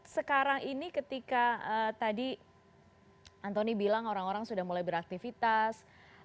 sekarang ini ketika tadi antoni bilang orang orang sudah mulai beraktivitas